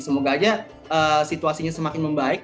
semoga aja situasinya semakin membaik